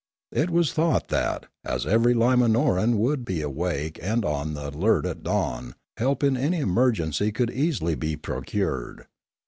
It was thought that, as every Limanoran would be awake and on the alert at dawn, help in any emergency could easily be procured.